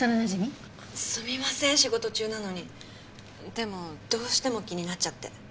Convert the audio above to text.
でもどうしても気になっちゃって。